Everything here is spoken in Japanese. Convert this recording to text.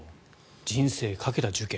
人生かけた受験。